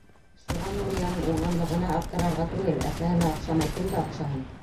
Шуға Нурияның уңғанлығына аптырарға түгел, әсәһенә оҡшамай кемгә оҡшаһын!?